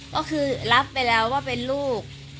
ก็คือรับไปแล้วว่าเป็นลูก